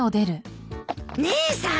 姉さん。